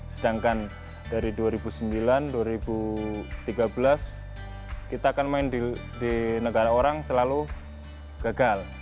sedangkan dari dua ribu sembilan dua ribu tiga belas kita akan main di negara orang selalu gagal